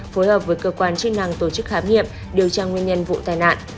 phối hợp với cơ quan chức năng tổ chức khám nghiệm điều tra nguyên nhân vụ tai nạn